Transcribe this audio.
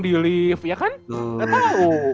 di lift ya kan ga tau